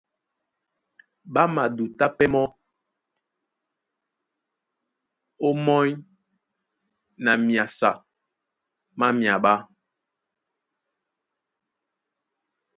Ɓá madutá pɛ́ mɔ́ ómɔ́ny na myasa má myaɓá.